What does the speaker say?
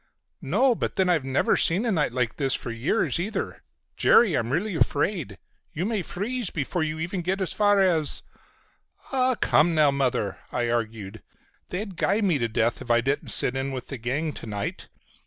"No. But then I've never seen a night like this for years either. Jerry, I'm really afraid. You may freeze before you even get as far as—" "Ah, come now, Mother," I argued. "They'd guy me to death if I didn't sit in with the gang to night.